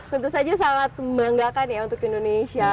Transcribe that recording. tentu saja sangat membanggakan ya untuk indonesia